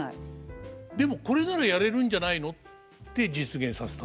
でもこれならやれるんじゃないのって実現させた。